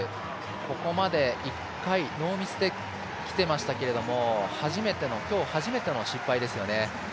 ここまで１回でノーミスできてましたけども今日初めての失敗ですよね。